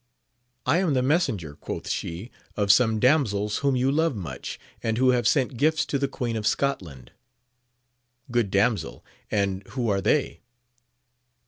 I am the messenger, quoth she, of some damsels whom you love much, and who have sent gifts to the queen of Scotland. — Good damsel, and who are they